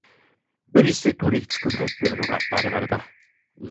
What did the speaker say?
無理して取り繕ってるのがバレバレだ